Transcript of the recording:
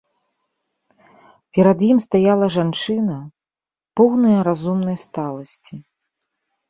Перад ім стаяла жанчына, поўная разумнай сталасці.